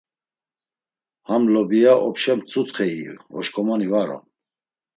Ham lobiya opşa mtzutxe iyu oşǩomoni var on.